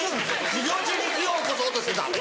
授業中に火をおこそうとしてた？